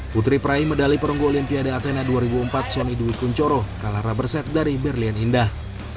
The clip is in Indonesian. putri peraih medali perunggu olimpiade athena dua ribu empat sonny dwi kunchoro kalah rubber set dari berlian indah